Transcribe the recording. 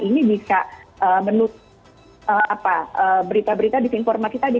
ini bisa menutup berita berita disinformasi tadi